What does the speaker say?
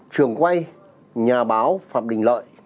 trường quay nhà báo phạm đình lợi